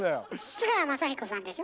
津川雅彦さんでしょ。